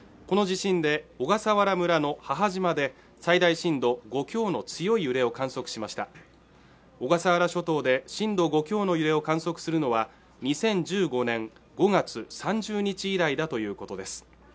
この地震で小笠原村の母島で最大震度５強の強い揺れを観測しました小笠原諸島で震度５強の揺れを観測するのは２０１５年５月３０日以来だということです